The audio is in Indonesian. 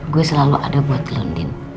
gue selalu ada buat lo din